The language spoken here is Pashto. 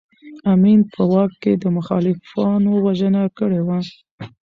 امین په واک کې د مخالفانو وژنه کړې وه.